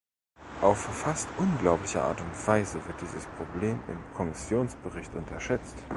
Auf fast unglaubliche Art und Weise wird dieses Problem im Kommissionsbericht unterschätzt.